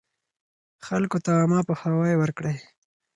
خلکو ته عامه پوهاوی ورکړئ.